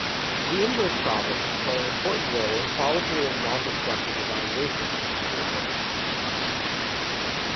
The inverse problems play an important role in qualitative nondestructive evaluation of materials.